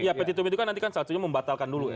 ya petitum itu kan nanti salah satunya membatalkan dulu